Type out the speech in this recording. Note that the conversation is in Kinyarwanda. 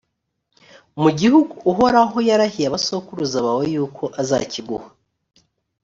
mu gihugu uhoraho yarahiye abasokuruza bawe yuko azakiguha.